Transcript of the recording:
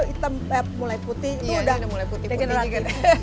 kita mulai putih itu udah degeneratif